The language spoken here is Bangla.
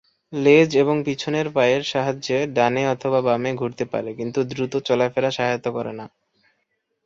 লেজ এবং পিছনের পায়ের সাহায্যে ডানে অথবা বামে ঘুরতে পারে কিন্তু দ্রুত চলাফেরায় সহায়তা করে না।